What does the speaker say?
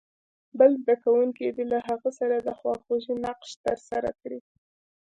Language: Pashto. بل زده کوونکی دې له هغه سره د خواخوږۍ نقش ترسره کړي.